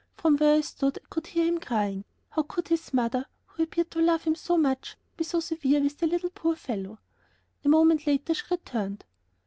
From where I stood I could hear him crying. How could his mother, who appeared to love him so much, be so severe with the poor little fellow. A moment later she returned.